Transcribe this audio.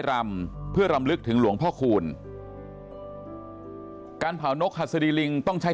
รำเพื่อรำลึกถึงหลวงพ่อคูณการเผานกหัสดีลิงต้องใช้